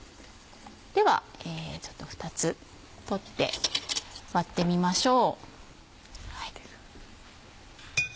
ではちょっと２つ取って割ってみましょう。